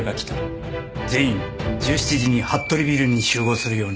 全員１７時にＨＡＴＴＯＲＩビルに集合するように。